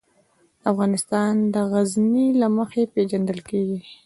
افغانستان د غزني له مخې پېژندل کېږي.